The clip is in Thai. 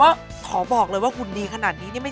แล้วเขายังมีอย่างยังงี้ด้วยมั้ย